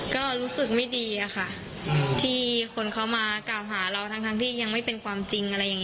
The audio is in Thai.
ก็รู้สึกไม่ดีอะค่ะที่คนเขามากล่าวหาเราทั้งที่ยังไม่เป็นความจริงอะไรอย่างนี้